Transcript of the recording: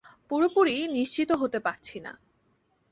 পুরোপুরি নিশ্চিতও হতে পারছি না।